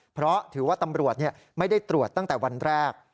เพราะถือว่าตำรวจไม่ได้ตรวจตั้งแต่วันแรก